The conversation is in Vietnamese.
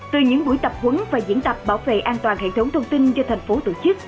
từ những buổi tập huấn và diễn tập bảo vệ an toàn hệ thống thông tin do thành phố tổ chức